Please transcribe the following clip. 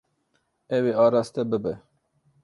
Ew ê araste bibe.